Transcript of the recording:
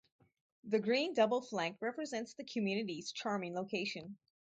The green double flank represents the community's charming location.